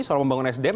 soal membangun sdm